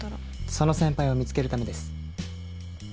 その先輩を見つけるためです。